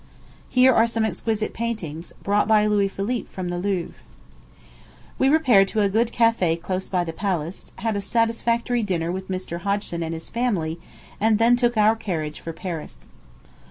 Here are some exquisite paintings, brought by Louis Philippe from the Louvre. We repaired to a good café close by the palace, had a satisfactory dinner with Mr. Hodgson and his family, and then took our carriage for Paris.